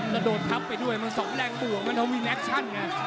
ถ้าโดดทับไปด้วยมันส่องแรงปวงมันทำรีนแอคชั่น